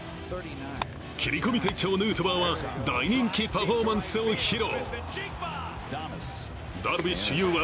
切り込み隊長、ヌートバーは大人気パフォーマンスを披露。